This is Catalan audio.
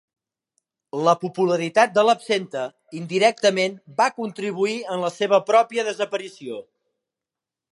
La popularitat de l'absenta indirectament va contribuir en la seva pròpia desaparició.